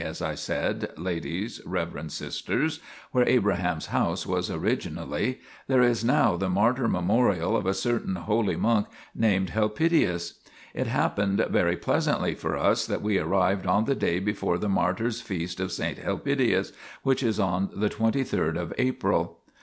THE PILGRIMAGE OF ETHERIA 37 as I said, ladies, reverend sisters, where Abraham's house was originally, there is now the martyr memorial of a certain holy monk named Helpidius. It happened very pleasantly for us that we arrived on the day before the martyr's feast of saint Helpidius, which is on the twenty third of April.